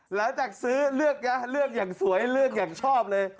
หลังจากซื้อเลือกยะเลือกอย่างสวยเลือกอย่างชอบเลย